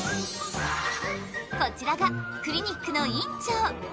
こちらがクリニックの院長。